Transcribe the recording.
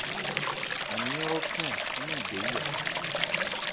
An yɛ́n hrɔ́ khɛ́n-ɔn ń nɛ̂n gɛ yí a.